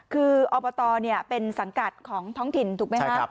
คืออบตเนี้ยเป็นสังกัดของท้องถิ่นถูกไหมฮะใช่ครับ